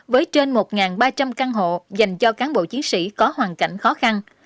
với trên một ba trăm linh căn hộ dành cho cán bộ chiến sĩ có hoàn cảnh khó khăn